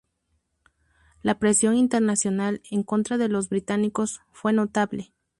La presión internacional en contra de los británicos fue notable.